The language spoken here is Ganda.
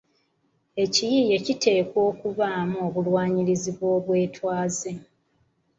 Ekiyiiye kiteekwa okubaamu obulwanirizi bw’obwetwaze.